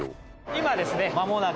今ですね。